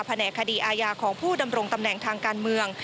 แหนกคดีอาญาของผู้ดำรงตำแหน่งทางการเมือง